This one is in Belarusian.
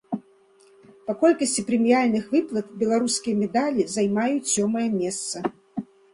Па колькасці прэміяльных выплат беларускія медалі займаюць сёмае месца.